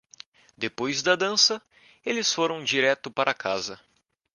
Depois da dança, eles foram direto para casa.